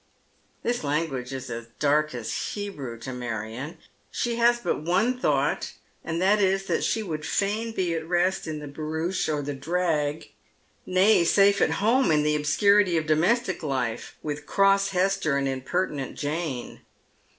This language is as dark as Hebrew to Marion. She has but one thought, and that is that she would fain be at rest in the barouche or the drag, nay, safe at home in the obscurity of domestic life, with cross Hester and impertinent Jane.